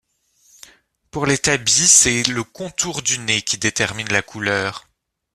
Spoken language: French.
Pour les tabby, c'est le contour du nez qui détermine la couleur.